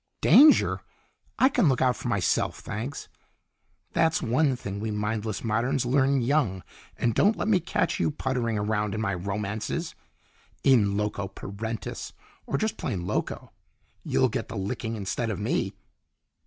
"Danger! I can look out for myself, thanks. That's one thing we mindless moderns learn young, and don't let me catch you puttering around in my romances! In loco parentis or just plain loco, you'll get the licking instead of me!"